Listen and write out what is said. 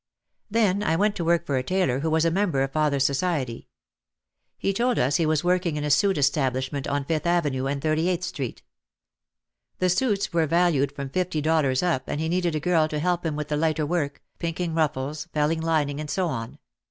Then I went to work for a tailor who was a member of father's society. He told us he was working in a suit establishment on Fifth Avenue and Thirty eighth Street. The suits were valued from fifty dollars up and he needed a girl to help him with the lighter work, pinking ruffles, OUT OF THE SHADOW 257 felling lining and so on.